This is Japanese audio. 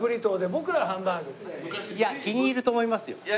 いや気に入ると思いますよ。